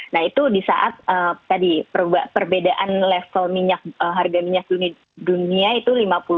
nah itu di saat tadi perbedaan level minyak harga minyak dunia itu lima puluh